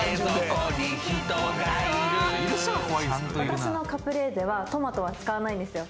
私のカプレーゼはトマトは使わないんですよ。